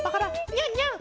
ニャンニャン！